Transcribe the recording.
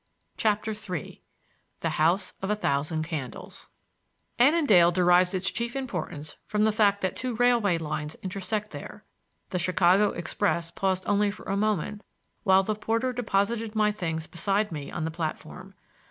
CHAPTER III THE HOUSE OF A THOUSAND CANDLES Annandale derives its chief importance from the fact that two railway lines intersect there. The Chicago Express paused only for a moment while the porter deposited my things beside me on the platform.